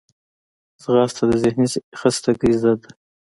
ځغاسته د ذهني خستګي ضد ده